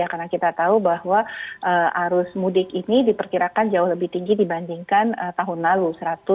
karena kita tahu bahwa arus mudik ini diperkirakan jauh lebih tinggi dibandingkan tahun lalu